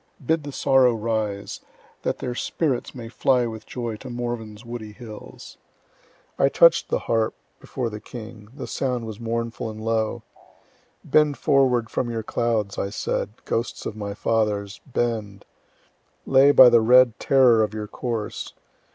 Bid the sorrow rise, that their spirits may fly with joy to Morven's woody hills. I touch'd the harp before the king; the sound was mournful and low. Bend forward from your clouds, I said, ghosts of my fathers! bend. Lay by the red terror of your course.